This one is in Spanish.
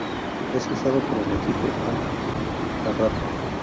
Es usado por el equipo Al-Gharrafa.